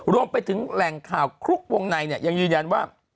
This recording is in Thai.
รวมไปถึงแหล่งข่าวคลุกวงในเนี่ยยังยืนยันว่า